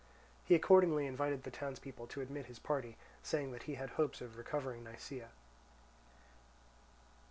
He accordingly invited the townspeople to admit his party, saying that he had hopes of recovering Nisaea.